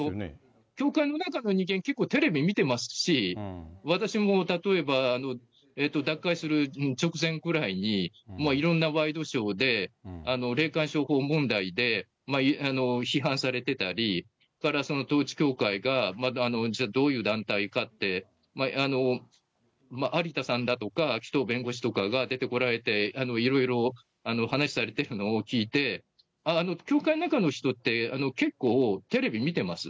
教会の中の人間、結構テレビ見てますし、私も例えば脱会する直前くらいに、いろんなワイドショーで、霊感商法問題で批判されてたり、それから統一教会が実はどういう団体かって、有田さんだとか、紀藤弁護士とかが出てこられて、いろいろお話されてるのを聞いて、教会の中の人って、結構、テレビ見てます。